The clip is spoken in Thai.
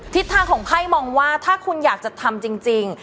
ทิศทางของไพ่มองว่าถ้าคุณอยากจะทำจริง